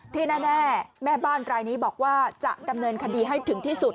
ที่แน่แม่บ้านรายนี้บอกว่าจะดำเนินคดีให้ถึงที่สุด